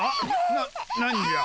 な何じゃ？